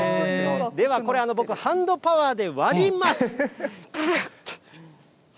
では、これ、僕、ハンドパワーで割ります。